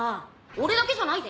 俺だけじゃないぜ。